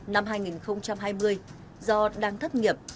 năm hai nghìn hai mươi do đang thất nghiệp